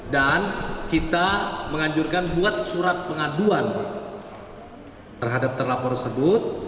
dan kita menganjurkan buat surat pengaduan terhadap terlaporan tersebut